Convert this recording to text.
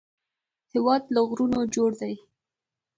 هېواد له غرونو جوړ دی